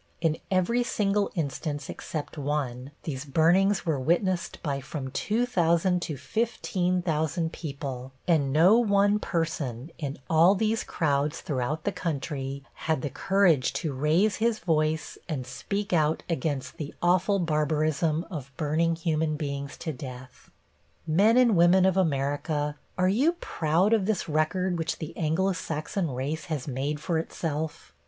In every single instance except one these burnings were witnessed by from two thousand to fifteen thousand people, and no one person in all these crowds throughout the country had the courage to raise his voice and speak out against the awful barbarism of burning human beings to death. Men and women of America, are you proud of this record which the Anglo Saxon race has made for itself?